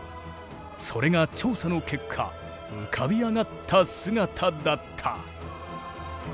それが調査の結果浮かび上がった姿だった。